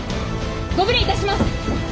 ・ご無礼いたします。